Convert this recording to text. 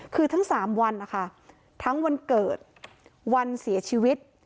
คือทั้ง๓วันนะคะทั้งวันเกิดวันเสียชีวิต